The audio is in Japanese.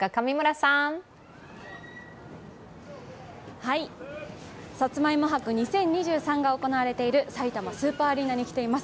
さつまいも博２０２３が行われているさいたまスーパーアリーナに来ています。